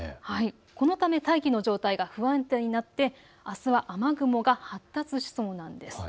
このため大気の状態が不安定になって、あすは雨雲が発達しそうなんです。